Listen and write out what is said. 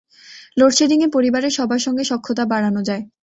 লোডশেডিংয়ে পরিবারের সবার সঙ্গে সখ্যতা বাড়ানো যায়।